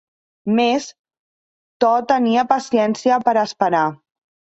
Més, to tenia paciència per a esperar.